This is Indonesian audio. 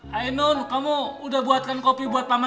kalian mau menipu saya ya